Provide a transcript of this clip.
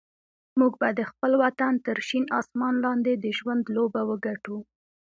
موږ به د خپل وطن تر شین اسمان لاندې د ژوند لوبه وګټو.